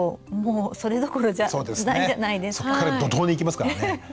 そっから怒とうでいきますからね。